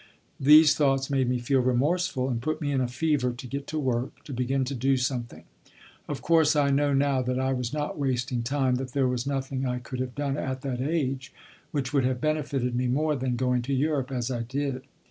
These thoughts made me feel remorseful and put me in a fever to get to work, to begin to do something. Of course I know now that I was not wasting time; that there was nothing I could have done at that age which would have benefited me more than going to Europe as I did.